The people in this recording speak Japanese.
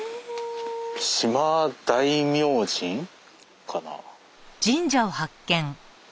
「嶌大明神」かな？